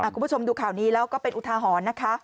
คุณผู้ชมดูข่าวนี้แล้วก็เป็นอุทาหรณ์นะคะ